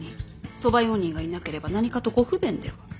側用人がいなければ何かとご不便では。